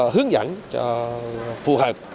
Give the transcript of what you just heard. hướng dẫn cho phù hợp